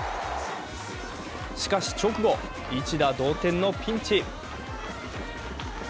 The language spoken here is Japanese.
しかし直後、一打同点のピンチ。